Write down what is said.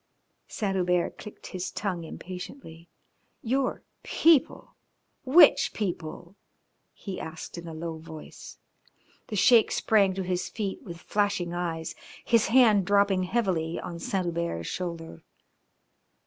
Saint Hubert clicked his tongue impatiently. "Your people! which people?" he asked in a low voice. The Sheik sprang to his feet with flashing eyes, his hand dropping heavily on Saint Hubert's shoulder.